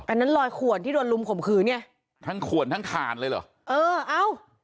อันนั้นลอยขวนที่โดนลุมข่มขืนเนี่ยทั้งขวนทั้งถ่านเลยเหรอเออเอ้า